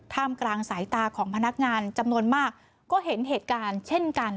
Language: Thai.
กลางสายตาของพนักงานจำนวนมากก็เห็นเหตุการณ์เช่นกัน